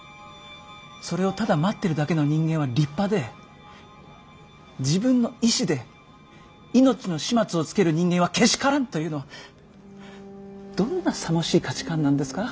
それをただ待ってるだけの人間は立派で自分の意志で命の始末をつける人間はけしからんというのはどんなさもしい価値観なんですか？